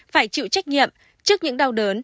phải chịu trách nhiệm trước những đau đớn